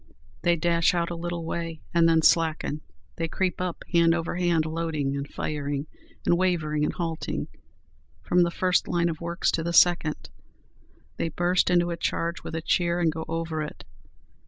"They dash out a little way, and then slacken; they creep up, hand over hand, loading and firing, and wavering and halting, from the first line of works to the second; they burst into a charge with a cheer, and go over it.